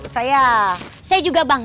saya juga bang